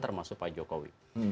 termasuk pak jokowi